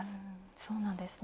そうなんですね。